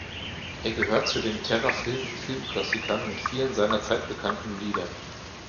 Er gehört zu den Terra-Film-Filmklassikern mit vielen seinerzeit bekannten Liedern.